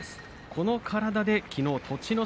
この体できのう栃ノ